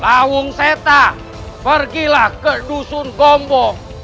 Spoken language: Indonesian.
tawung seta pergilah ke dusun gombo